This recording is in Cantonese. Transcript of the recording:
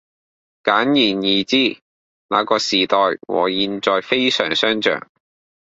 簡而言之，那個時代和現在非常相像